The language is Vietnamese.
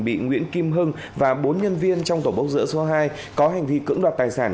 bị nguyễn kim hưng và bốn nhân viên trong tổ bốc dỡ số hai có hành vi cưỡng đoạt tài sản